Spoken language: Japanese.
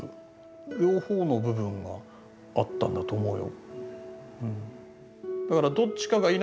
両方の部分があったんだと思うよ。